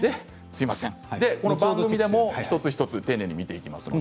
番組でも一つ一つ丁寧に見ていきます。